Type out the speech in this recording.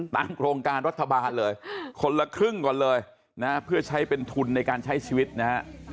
โครงการรัฐบาลเลยคนละครึ่งก่อนเลยนะเพื่อใช้เป็นทุนในการใช้ชีวิตนะฮะ